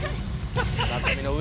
・村上の上。